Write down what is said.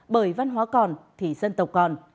bởi văn hóa còn thì dân tộc còn